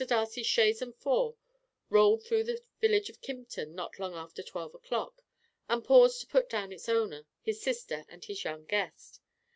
Darcy's chaise and four rolled through the village of Kympton not long after twelve o'clock, and paused to put down its owner, his sister and his young guest.